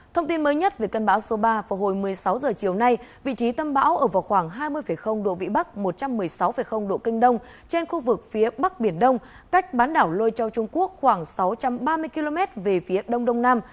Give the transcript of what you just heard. thông tin mới nhất về cơn bão số ba vào hồi một mươi sáu h chiều nay vị trí tâm bão ở vào khoảng hai mươi độ vĩ bắc một trăm một mươi sáu độ kinh đông trên khu vực phía bắc biển đông cách bán đảo lôi châu trung quốc khoảng sáu trăm ba mươi km về phía đông đông nam